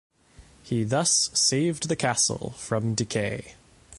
He thus saved the castle from decay.